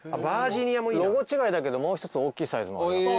ロゴ違いだけどもう１つ大きいサイズ。